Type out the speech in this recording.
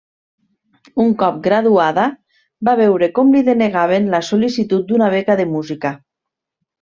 Un cop graduada, va veure com li denegaven la sol·licitud d’una beca de música.